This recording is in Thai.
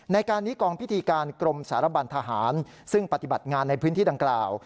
ในการนี้กองพิธีการกรมสารบันทหารซึ่งปฏิบัติงานในพื้นที่ดังกล่าว